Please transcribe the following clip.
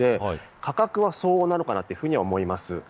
価格は相応かなと思います。